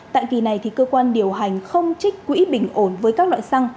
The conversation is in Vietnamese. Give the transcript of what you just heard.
tại kỳ này cơ quan điều hành không trích quỹ bình ổn với các loại xăng